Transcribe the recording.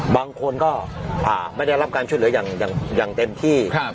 บางคนก็อ่าไม่ได้รับการช่วยเหลืออย่างอย่างอย่างเต็มที่ครับ